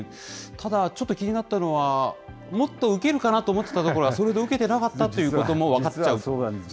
ただ、ちょっと気になったのは、もっと受けるかなと思ったところが、それほど受けてなかったということも分かっちゃう。